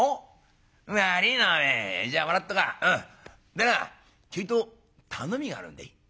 でなちょいと頼みがあるんでい」。